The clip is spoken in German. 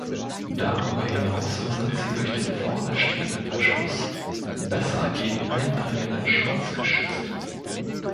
Darüber hinaus sind sie durch den vorne stehenden Verschluss besser gegen eindringenden Schmutz geschützt.